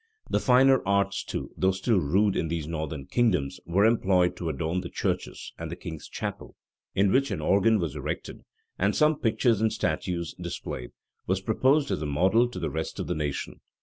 The finer arts too, though still rude in these northern kingdoms, were employed to adorn the churches; and the king's chapel, in which an organ was erected, and some pictures and statues displayed, was proposed as a model to the rest of the nation.